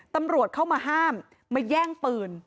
ตำรวจเข้ามาห้ามมาแย่งปืน